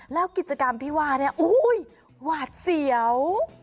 แล้วกิจกรรมที่ว่าเนี่ยหวาดเสียว